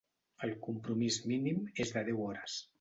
El compromís mínim és de deu hores.